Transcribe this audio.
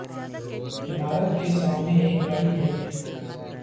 عمارت کے سامنے ایک گاڑی کھڑی ہے